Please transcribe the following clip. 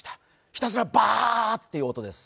ひたすらばーっていう音です。